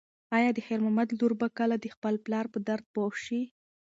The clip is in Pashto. ایا د خیر محمد لور به کله د خپل پلار په درد پوه شي؟